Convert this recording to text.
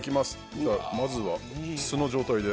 まずは、素の状態で。